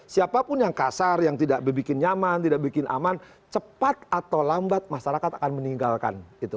siapapun yang kasar yang tidak bikin nyaman tidak bikin aman cepat atau lambat masyarakat akan meninggalkan itu